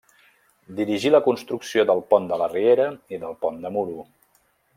Dirigí la construcció del pont de la riera i del pont de Muro.